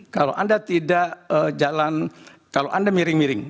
kalau anda tidak jalan kalau anda miring miring